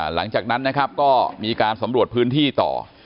หลังจากนั้นนะครับก็มีการสำรวจพื้นที่ต่อ